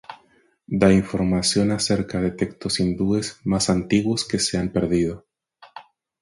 Da información acerca de textos hindúes más antiguos que se han perdido.